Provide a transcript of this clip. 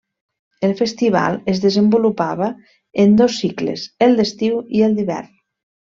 El Festival es desenvolupava en dos cicles, el d'estiu i el d'hivern.